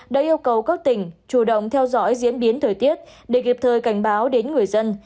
đã yêu cầu các tỉnh chủ động theo dõi diễn biến thời tiết để kịp thời cảnh báo đến người dân